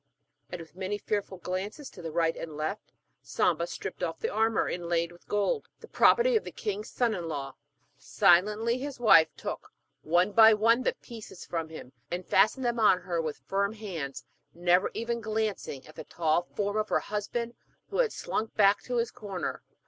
And with many fearful glances to right and to left, Samba stripped off the armour inlaid with gold, the property of the king's son in law. Silently his wife took, one by one, the pieces from him, and fastened them on her with firm hands, never even glancing at the tall form of her husband who had slunk back to his corner.